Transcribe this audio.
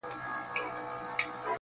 • ښايي پر غوږونو به ښه ولګیږي-